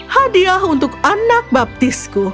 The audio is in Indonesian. hadiah untuk anak baptismu